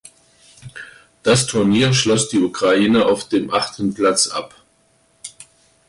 Das Turnier schloss die Ukraine auf dem achten Platz ab.